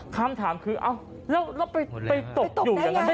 คำถามคือแล้วเราไปตกอยู่อย่างไร